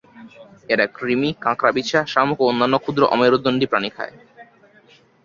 এরা কৃমি, কাঁকড়াবিছা, শামুক ও অন্যান্য ক্ষুদ্র অমেরুদন্ডী প্রাণী খায়।